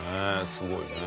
すごいね。